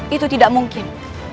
itu tidak mungkin